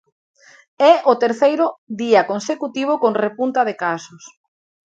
É o terceiro día consecutivo con repunta de casos.